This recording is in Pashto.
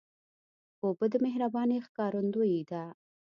اوبه د مهربانۍ ښکارندویي ده.